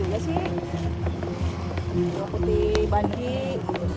ya bawang putih juga sih